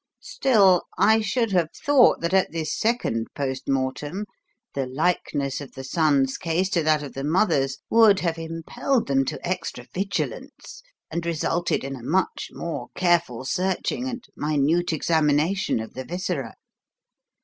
Still, I should have thought that at this second post mortem the likeness of the son's case to that of the mother's would have impelled them to extra vigilance, and resulted in a much more careful searching, and minute examination of the viscera.